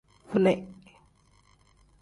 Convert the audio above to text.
Fini.